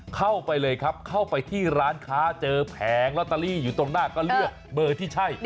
เข้าไปเลยครับเข้าไปที่ร้านค้าเจอแผงลอตเตอรี่อยู่ตรงหน้าก็เลือกเบอร์ที่ใช่